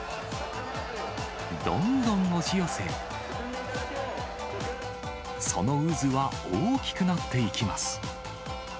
どんどん押し寄せ、その渦は大きくなっていきます。